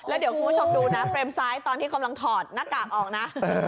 แล้วเดี๋ยวคุณผู้ชมดูนะเฟรมซ้ายตอนที่กำลังถอดหน้ากากออกนะ